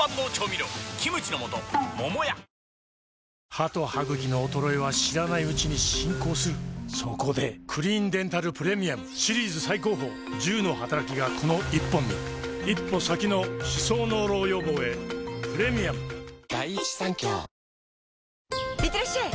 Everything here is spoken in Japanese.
歯と歯ぐきの衰えは知らないうちに進行するそこで「クリーンデンタルプレミアム」シリーズ最高峰１０のはたらきがこの１本に一歩先の歯槽膿漏予防へプレミアムいってらっしゃい！